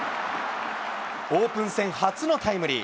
オープン戦初のタイムリー。